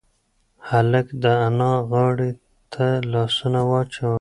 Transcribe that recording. هلک د انا غاړې ته لاسونه واچول.